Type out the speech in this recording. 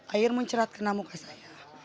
air mencerat ke nama saya